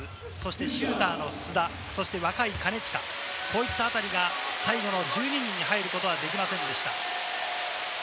シューターの須田、若い金近、こういったあたりが、最後の１２人に入ることができませんでした。